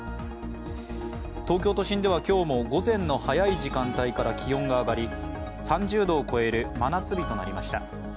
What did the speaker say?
東京都心では今日も午前の早い時間帯から気温が上がり３０度を超える真夏日となりました。